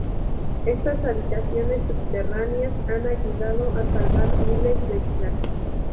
Estas habitaciones subterráneas han ayudado a salvar miles de vidas.